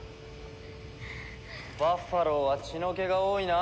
バッファローは血の気が多いな。